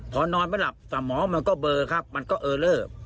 พอนอนไม่หลับสมองมันก็เบอร์ครับมันก็เออเลอร์